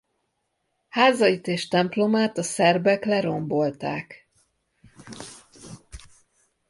Házait és templomát a szerbek lerombolták.